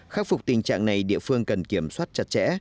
khắc phục tình trạng này địa phương cần kiểm soát chặt chẽ